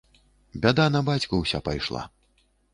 Бяда на бацьку ўся пайшла.